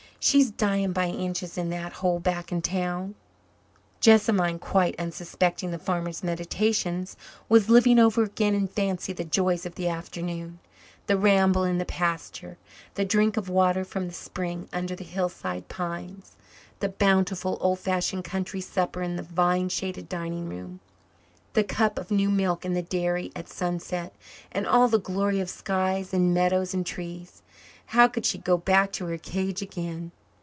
She's dying by inches in that hole back in town." Jessamine, quite unsuspecting the farmer's meditations, was living over again in fancy the joys of the afternoon: the ramble in the pasture, the drink of water from the spring under the hillside pines, the bountiful, old fashioned country supper in the vine shaded dining room, the cup of new milk in the dairy at sunset, and all the glory of skies and meadows and trees. How could she go back to her cage again?